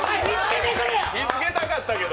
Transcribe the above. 見つけたかったけど！